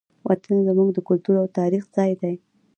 وطن زموږ د کلتور او تاریخ ځای دی.